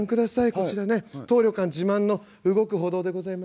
こちらね当旅館自慢の動く歩道でございます」。